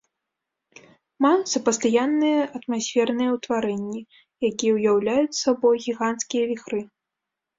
Маюцца пастаянныя атмасферныя ўтварэнні, якія ўяўляюць сабой гіганцкія віхры.